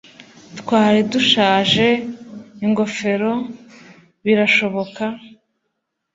twari dushaje - "ingofero" birashoboka,